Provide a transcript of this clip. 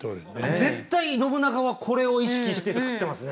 絶対信長はこれを意識して造ってますね。